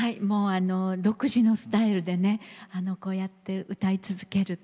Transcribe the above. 独自のスタイルでこうやって歌い続ける。